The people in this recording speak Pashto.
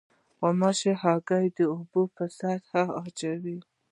غوماشې هګۍ د اوبو په سطحه اچوي.